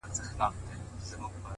د خبرونو وياند يې-